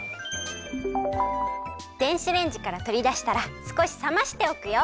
電子レンジからとりだしたらすこしさましておくよ。